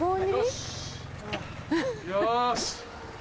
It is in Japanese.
よし。